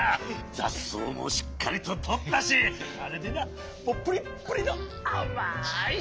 ざっそうもしっかりととったしあれでなプリップリのあまい。